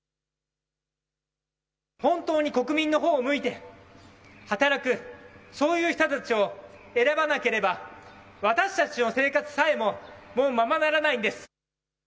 本当に国民のほうを向いて働く、そういう人たちを選ばなければ、私たちの生活さえももうままならないんです。